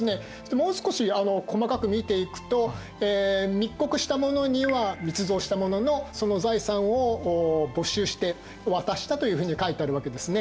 もう少し細かく見ていくと「密告した者には密造した者のその財産を没収して渡した」というふうに書いてあるわけですね。